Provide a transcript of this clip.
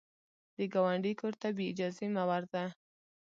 د ګاونډي کور ته بې اجازې مه ورځه